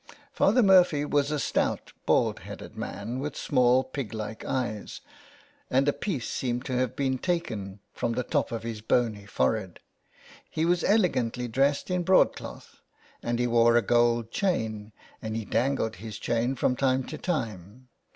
Father Murphy was a stout, bald headed man with small pig like eyes, and a piece seemed to have been taken from the top of his bony forehead. He was elegantly dressed in broad cloth and he wore a gold chain and he dangled his chain from time to time.